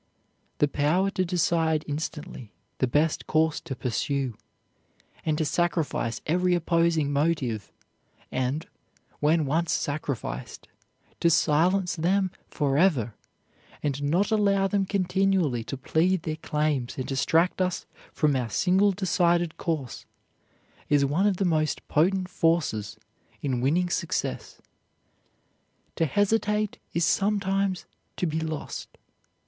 That power to decide instantly the best course to pursue, and to sacrifice every opposing motive; and, when once sacrificed, to silence them forever and not allow them continually to plead their claims and distract us from our single decided course, is one of the most potent forces in winning success. To hesitate is sometimes to be lost.